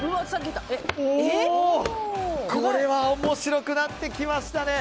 これはおもしろくなってきましたね。